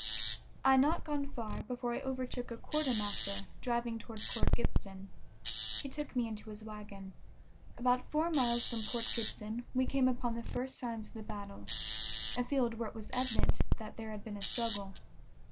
I had not gone far before I overtook a quartermaster driving toward Port Gibson; he took me into his wagon. About four miles from Port Gibson we came upon the first signs of the battle, a field where it was evident that there had been a struggle.